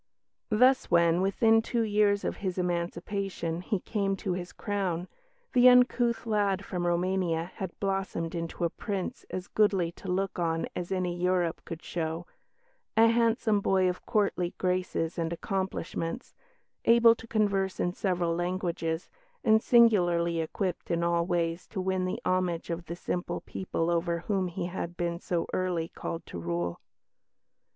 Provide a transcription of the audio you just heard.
Thus when, within two years of his emancipation, he came to his crown, the uncouth lad from Roumania had blossomed into a Prince as goodly to look on as any Europe could show a handsome boy of courtly graces and accomplishments, able to converse in several languages, and singularly equipped in all ways to win the homage of the simple people over whom he had been so early called to rule.